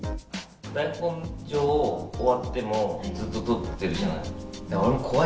台本上、終わっても、ずっと撮ってるじゃない？